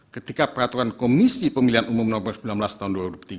ketika peraturan komisi pemilihan umum nomor sembilan belas tahun dua ribu tiga